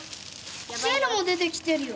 白いのも出てきてるよ。